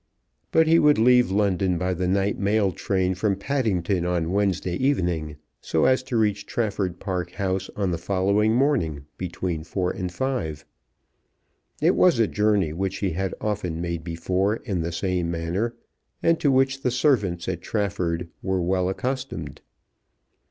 But he would leave London by the night mail train from Paddington on Wednesday evening so as to reach Trafford Park House on the following morning between four and five. It was a journey which he had often made before in the same manner, and to which the servants at Trafford were well accustomed.